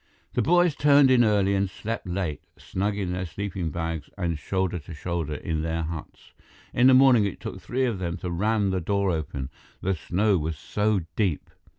The boys turned in early and slept late, snug in their sleeping bags and shoulder to shoulder in their huts. In the morning it took three of them to ram the door open, the snow was so deep.